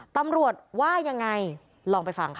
ตำรวจว่ายังไงลองไปฟังค่ะ